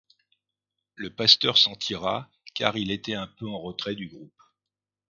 Le pasteur s'en tira car il était un peu en retrait du groupe.